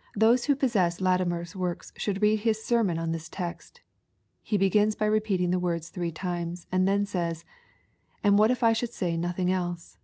] Those "who posaesr. Latimer's works should read his sermon on this text. He begini by repeating the words three tiiues, and then says, " And what if I should say nothing else